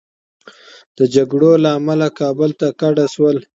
د جګړو له امله کابل ته کډه شول.